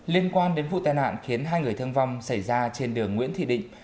liên quan đến vụ tai nạn khiến hai người thương vong xảy ra trên đường nguyễn thị định